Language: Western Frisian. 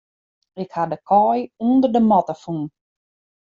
Ik ha de kaai ûnder de matte fûn.